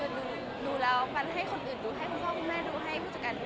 เราก็คิดให้คนอื่นดูให้ครั้งโป้งหน้าดูให้ผู้จัดการดู